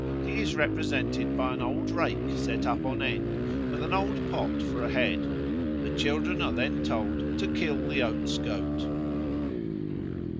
He is represented by an old rake set up on end, with an old pot for a head. The children are then told to kill the Oats goat.